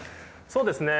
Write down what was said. そうですね。